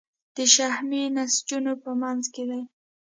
د شحمي نسجونو په منځ کې دي.